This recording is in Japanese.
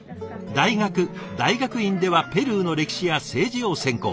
大学大学院ではペルーの歴史や政治を専攻。